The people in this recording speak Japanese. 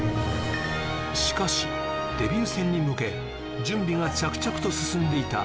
しかしデビュー戦に向け準備が着々と進んでいた